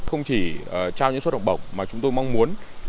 không chỉ trao những suất học bổng mà chúng tôi mong muốn